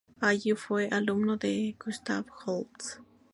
Allí fue alumno de Gustav Holst.